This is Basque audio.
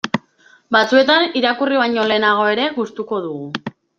Batzuetan irakurri baino lehenago ere gustuko dugu.